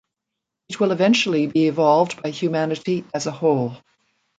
It will eventually be evolved by humanity as a whole.